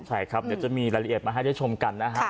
ใช่ครับเดี๋ยวจะมีรายละเอียดมาให้ได้ชมกันนะฮะ